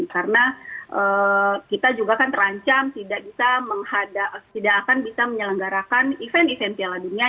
karena kita juga kan terancam tidak akan bisa menyelenggarakan event event piala dunia